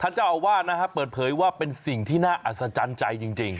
เจ้าอาวาสนะฮะเปิดเผยว่าเป็นสิ่งที่น่าอัศจรรย์ใจจริง